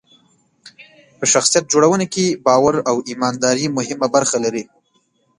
په شخصیت جوړونه کې باور او ایمانداري مهمه برخه لري.